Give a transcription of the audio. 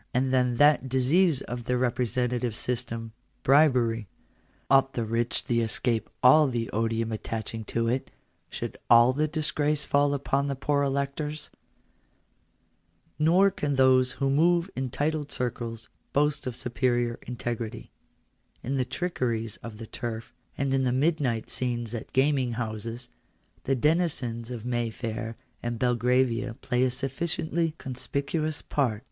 And then that disease of the representative system — bribery; ought the rich to escape all the odium attaching to it — should all the disgrace fall upon the poor electors ? Nor can those who move in titled circles boast of superior integrity. In the trickeries of the turf, and in the midnight scenes at gaming houses, the denizens of Mayfair and Belgravia play a sufficiently conspicuous part.